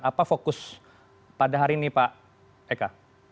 apa fokus pada hari ini pak eka